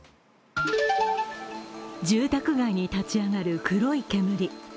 住宅街に立ち上がる黒い煙。